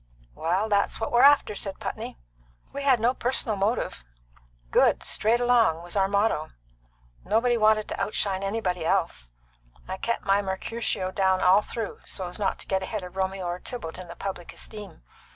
"Well, that's what we're after," said Putney. "We had no personal motive; good, right straight along, was our motto. Nobody wanted to outshine anybody else. I kept my Mercutio down all through, so's not to get ahead of Romeo or Tybalt in the public esteem.